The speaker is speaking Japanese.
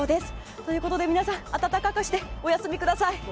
ということで皆さん温かくしてお休みください。